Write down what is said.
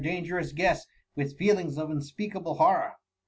dangerous guest with feelings of unspeakable horror.